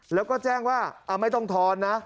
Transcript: แล้วก็แจ้งว่าไม่ต้องทอนนะ